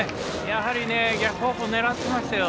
やはり逆方向狙ってましたよ。